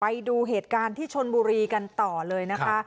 ไปดูเหตุการณ์ที่ชนบุรีกันต่อเลยนะคะ